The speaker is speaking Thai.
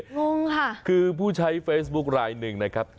งงค่ะคือผู้ใช้เฟซบุ๊คลายหนึ่งนะครับ